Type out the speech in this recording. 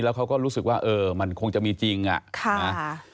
แล้วเขาก็รู้สึกว่าเออมันคงจะมีจริงอ่ะค่ะนะ